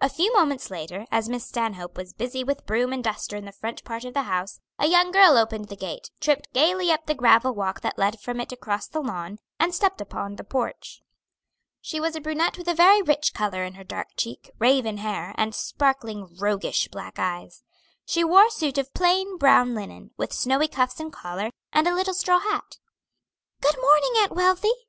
A few moments later, as Miss Stanhope was busy with broom and duster in the front part of the house, a young girl opened the gate, tripped gayly up the gravel walk that led from it across the lawn, and stepped upon the porch. She was a brunette with a very rich color in her dark cheek, raven hair, and sparkling, roguish black eyes. She wore a suit of plain brown linen, with snowy cuffs and collar, and a little straw hat. "Good morning, Aunt Wealthy!"